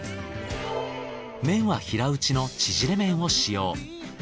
麺は平打ちのちぢれ麺を使用。